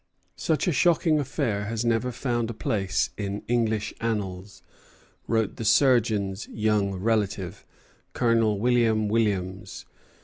"Such a shocking affair has never found a place in English annals," wrote the surgeon's young relative, Colonel William Williams.